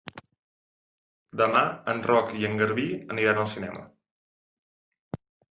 Demà en Roc i en Garbí aniran al cinema.